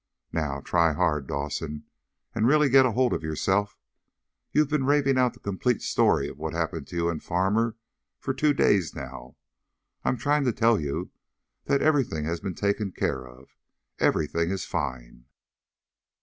Now, try hard, Dawson, and really get hold of yourself. You've been raving out the complete story of what happened to you and Farmer for two days now. I'm trying to tell you that everything has been taken care of. Everything is fine!"